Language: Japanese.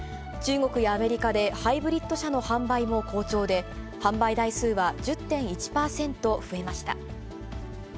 中国やアメリカでハイブリッド車の販売も好調で、販売台数は１０．１％増えました。